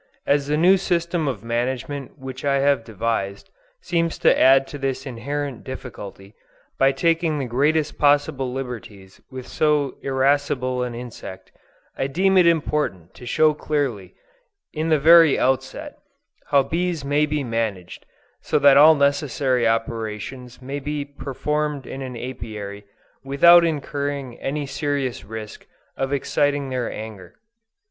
As the new system of management which I have devised, seems to add to this inherent difficulty, by taking the greatest possible liberties with so irascible an insect, I deem it important to show clearly, in the very outset, how bees may be managed, so that all necessary operations may be performed in an Apiary, without incurring any serious risk of exciting their anger.